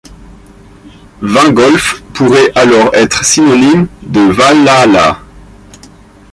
Vingólf pourrait alors être synonyme de Walhalla.